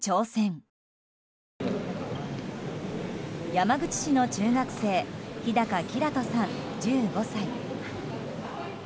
山口市の中学生日高煌人さん、１５歳。